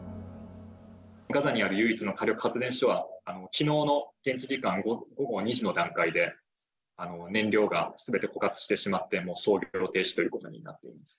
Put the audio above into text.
ガザにある唯一の火力発電所は、きのうの現地時間午後２時の段階で、燃料がすべて枯渇してしまって、もう操業停止ということになってます。